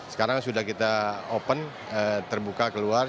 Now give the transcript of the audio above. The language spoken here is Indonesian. sekarang sudah kita open terbuka keluar